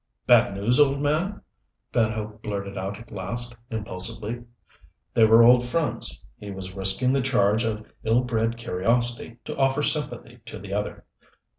"Bad news, old man?" Van Hope blurted out at last, impulsively. They were old friends he was risking the charge of ill bred curiosity to offer sympathy to the other.